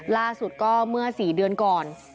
ล่าสุดก็เมื่อ๔เดือนก่อน